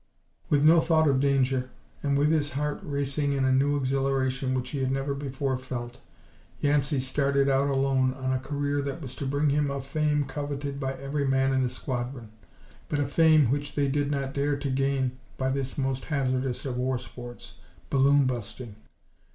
With no thought of danger, and with his heart racing in a new exhilaration which he had never before felt, Yancey started out alone on a career that was to bring him a fame coveted by every man in the squadron, but a fame which they did not care to gain by this most hazardous of war sports "balloon busting."